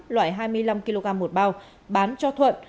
loại hai mươi năm kg một bao bán cho thuận